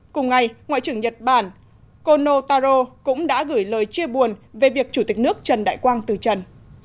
cùng ngày ngoại trưởng nhật bản kono taro cũng đã gửi lời chia buồn về việc chủ tịch nước trần đại quang từ trần